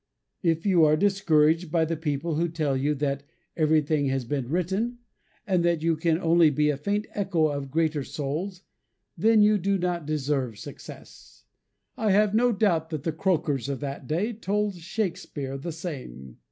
If you are discouraged by the people who tell you that "everything has been written," and that you can only be a faint echo of greater souls, then you do not deserve success. I have no doubt the croakers of that day told Shakespeare the same.